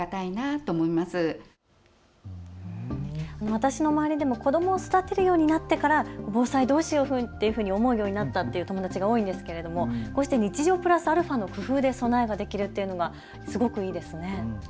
私の周りでも子どもを育てるようになってから防災どうしようっていうふうに思うようになったっていう友達が多いんですけれどもこうして日常プラスアルファの工夫で備えができるっていうのがすごくいいですね。